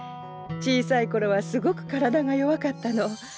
小さい頃はすごく体が弱かったの。